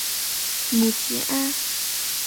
母吉安。